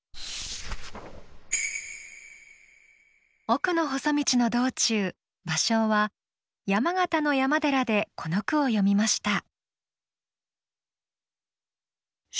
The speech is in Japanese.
「おくのほそ道」の道中芭蕉は山形の山寺でこの句を詠みました。